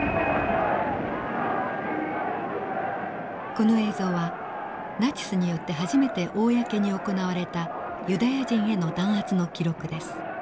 この映像はナチスによって初めて公に行われたユダヤ人への弾圧の記録です。